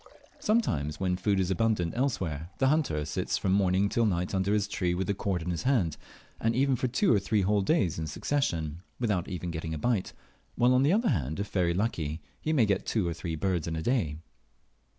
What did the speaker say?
Sometimes, when food is abundant elsewhere, the hunter sits from morning till night under his tree with the cord in his hand, and even for two or three whole days in succession, without even getting a bite; while, on the other hand, if very lucky, he may get two or three birds in a day.